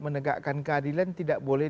menegakkan keadilan tidak boleh